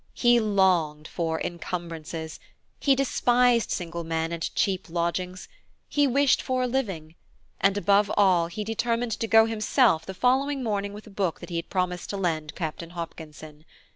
He longed for "encumbrances," he despised single men and cheap lodgings, he wished for a living; and above all, he determined to go himself the following morning with a book that he had promised to lend Captain Hopkinson.